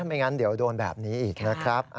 ไม่งั้นเดี๋ยวโดนแบบนี้อีกนะครับ